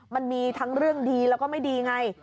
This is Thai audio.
มันมีทั้งเรื่องดีแล้วก็ไม่ดีไง